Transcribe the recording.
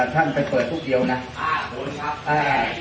ท่านไปเปิดพวกเดียวนะ